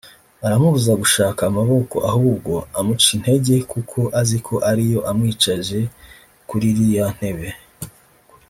Aramubuza gushaka amaboko ahubwo amucintege kuko aziko ariyo amwicaje kuririya ntebe